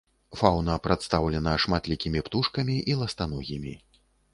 Фаўна прадстаўлена шматлікімі птушкамі і ластаногімі.